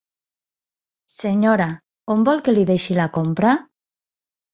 Senyora, on vol que li deixi la compra?